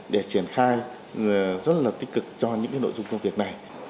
để triển khai rất là tích cực cho những nội dung công việc này